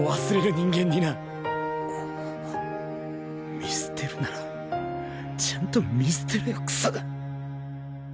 見捨てるならちゃんと見捨てろよクソが。